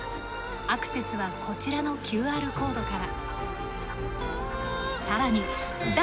アクセスはこちらのＱＲコードから。